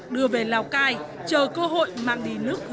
đưa về lào cai chờ cơ hội mang đi nước thứ ba được tiêu thụ